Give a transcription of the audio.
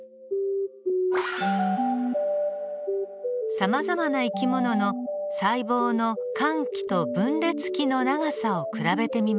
さまざまな生き物の細胞の間期と分裂期の長さを比べてみましょう。